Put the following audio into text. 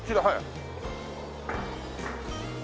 はい。